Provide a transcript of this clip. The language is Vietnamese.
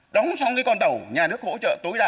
đóng xong cái con tàu nhà nước hỗ trợ tối đa ba mươi năm